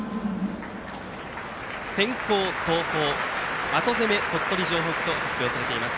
先攻、東邦後攻めは鳥取城北と発表されています。